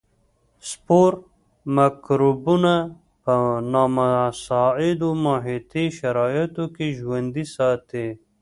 سپور مکروبونه په نامساعدو محیطي شرایطو کې ژوندي ساتي.